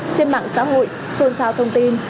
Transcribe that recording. trên mạng xã hội xôn xao thông tin